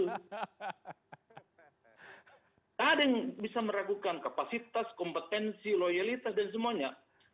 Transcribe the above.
tidak ada yang bisa meragukan kapasitas kompetensi loyalitas dan semuanya